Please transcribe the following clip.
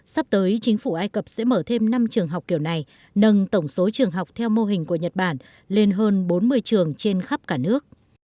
sắp tới chính phủ ai cập sẽ mở thêm năm trường học kiểu này nâng tổng số trường học theo mô hình của nhật bản lên hơn bốn mươi trường trên khắp cả nước